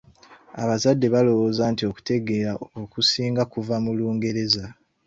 Abazadde balowooza nti okutegeera okusinga kuva mu Lungereza.